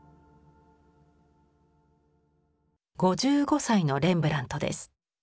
５５歳のレンブラントです。